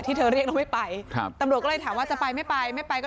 เธอเรียกเราไม่ไปครับตำรวจก็เลยถามว่าจะไปไม่ไปไม่ไปก็